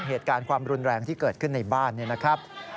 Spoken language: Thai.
เหตุการณ์ความรุนแรงที่เกิดขึ้นในบ้านเนี่ยนะครับ